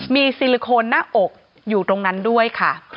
มีซิลิโคนหน้าอกอยู่ตรงนั้นด้วยค่ะ